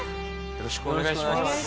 よろしくお願いします。